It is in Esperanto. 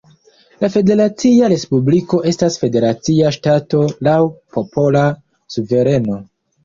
La Federacia Respubliko estas federacia ŝtato laŭ popola suvereno.